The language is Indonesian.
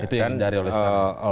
itu yang dari oleh staf presiden